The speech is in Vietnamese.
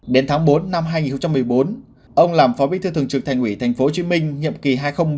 đến tháng bốn năm hai nghìn một mươi bốn ông làm phó bí thư thường trực thành ủy tp hcm nhiệm kỳ hai nghìn một mươi năm hai nghìn một mươi sáu